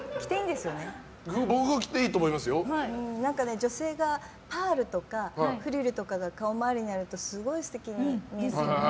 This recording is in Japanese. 女性がパールとかフリルとかが顔周りにあるとすごい素敵に見える。